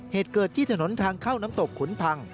เหตุเกิดที่ถนนทางเข้าน้ำตกขุนพัง